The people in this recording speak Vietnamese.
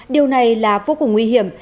điều này là vô cùng nguy hiểm